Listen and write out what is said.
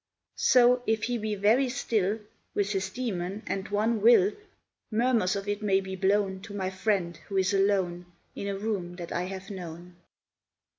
So, if he be very still With his Demon, and one will, Murmurs of it may be blown To my friend who is alone In a room that I have known.